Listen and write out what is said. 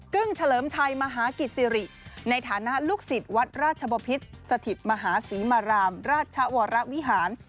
เฉลิมชัยมหากิจสิริในฐานะลูกศิษย์วัดราชบพิษสถิตมหาศรีมารามราชวรวิหาร